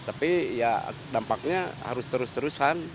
jadi ya dampaknya harus terus terusan